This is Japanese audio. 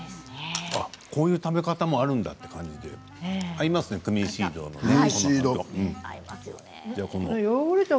こういう食べ方もあるんだという感じで合いますね、クミンシードと。